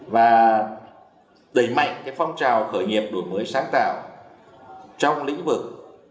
và đẩy mạnh phong trào khởi nghiệp đổi mới sáng tạo trong lĩnh vực